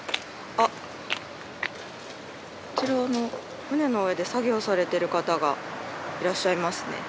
あちらの船の上で作業されてる方がいらっしゃいますね。